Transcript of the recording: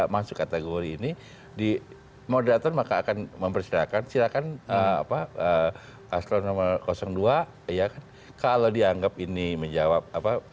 moderator maka akan mempersilahkan silakan apa asl nomor dua kalau dianggap ini menjawab apa